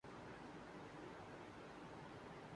چین والے سرے سے خدا کو مانتے ہی نہیں۔